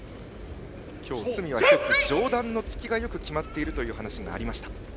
今日、角は１つ上段の突きがよく決まっているという話がありました。